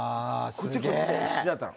こっちはこっちで必死だったの。